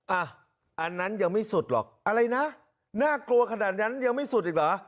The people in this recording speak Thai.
อันนั้นยังไม่สุดหรอกอะไรนะน่ากลัวขนาดนั้นยังไม่สุดอีกเหรอ